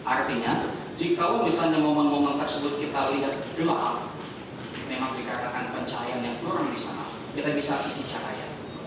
artinya jika misalnya moment moment tersebut kita lihat gelap memang dikarenakan pencahayaan yang kurang di sana kita bisa isi cahaya